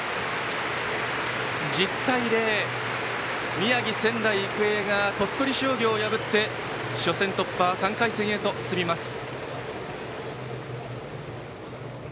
１０対０、宮城・仙台育英が鳥取商業を破って初戦突破、３回戦へと進みます。